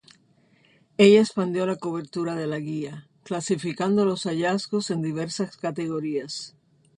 Ella expandió la cobertura de la guía, clasificando los hallazgos en diversas categorías.